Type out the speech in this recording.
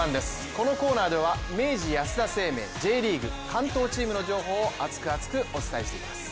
このコーナーでは明治安田生命Ｊリーグ関東チームの情報を熱く厚く、お伝えしていきます。